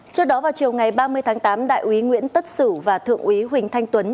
trước đó vào chiều ngày ba mươi tháng tám đại úy nguyễn tất sử và thượng úy huỳnh thanh tuấn